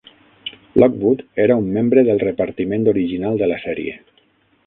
Lockwood era un membre del repartiment original de la sèrie.